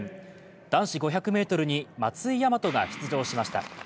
男子５００ｍに松井大和が出場しました。